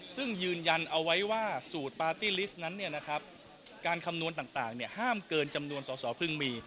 ซึ่งยืนยันเอาไว้ว่าสูตรปาร์ตี้ลิสต์นั้นการคำนวณต่างห้ามเกินจำนวนสอสอเพิ่งมี